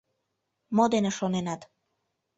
Мо дене шоненат?